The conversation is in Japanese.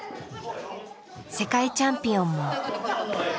世界チャンピオンも。